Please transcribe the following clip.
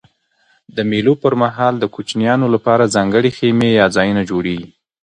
د مېلو پر مهال د کوچنيانو له پاره ځانګړي خیمې یا ځایونه جوړېږي.